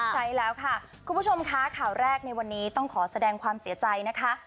ใช่แล้วค่ะคุณผู้ชมค่ะข่าวแรกในวันนี้ต้องขอแสดงความเสียใจนะคะ